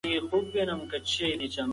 تاسو د کومې ونې مسواک خوښوئ؟